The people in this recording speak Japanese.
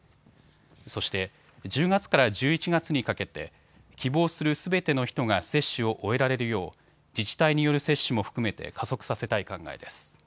そして１０月から１１月にかけて希望するすべての人が接種を終えられるよう自治体による接種も含めて加速させたい考えです。